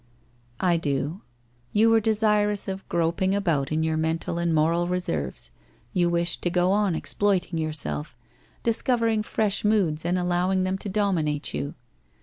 ' I do. You were desirous of groping about in your mental and moral reserves, you wished to go on exploit ing yourself, discovering fresh moods and allowing them to dominate you.